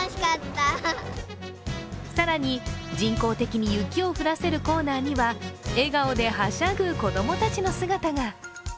更に人工的に雪を降らせるコーナーには笑顔ではしゃぐ子供たちの姿が。